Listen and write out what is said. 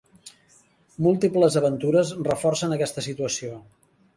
Múltiples aventures reforcen aquesta situació.